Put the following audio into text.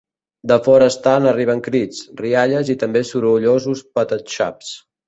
De fora estant arriben crits, rialles i també sorollosos patatxaps.